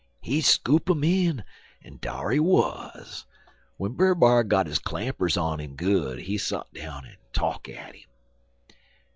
"He scoop 'im in, en dar he wuz. W'en Brer B'ar got his clampers on 'im good, he sot down en talk at 'im.